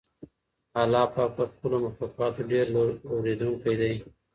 الله پاک پر خپلو مخلوقاتو ډېر لورېدونکی دی.